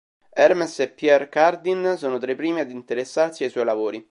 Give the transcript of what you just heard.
Hermès e Pierre Cardin sono tra i primi ad interessarsi ai suoi lavori.